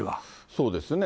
そうですね。